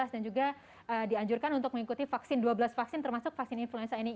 dan juga dianjurkan untuk mengikuti vaksin dua belas vaksin termasuk vaksin influenza ini